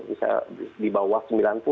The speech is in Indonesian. bisa di bawah sembilan puluh